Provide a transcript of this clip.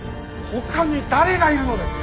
ほかに誰がいるのです。